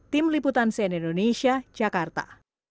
tim liputan cnn indonesia jakarta